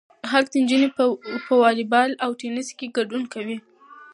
هلته نجونې په والی بال او ټینس کې ګډون کوي.